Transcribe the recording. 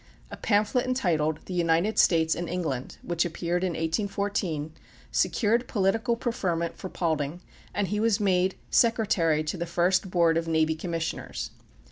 A pamphlet entitled "The United States and England," which appeared in 1814, secured political preferment for Paulding, and he was made secretary to the first board of navy commissioners.